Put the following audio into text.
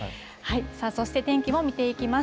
そして天気も見ていきます。